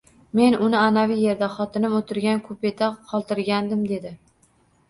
Men uni anavi yerda, xotinim oʻtirgan kupeda qoldirgandim, dedi.